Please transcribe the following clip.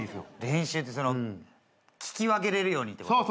練習って聞き分けれるようにってこと？